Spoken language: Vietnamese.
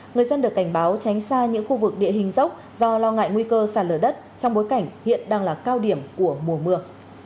người dân được cảnh báo tránh xa những khu vực địa hình dốc do lo ngại nguy cơ sản lở đất trong bối cảnh hiện đang là cao điểm của mùa mưa